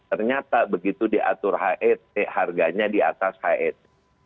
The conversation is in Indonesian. ternyata begitu diatur het harganya di atas het